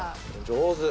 上手。